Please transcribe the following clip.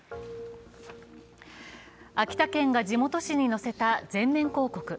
秋田県が地元紙に載せた全面広告。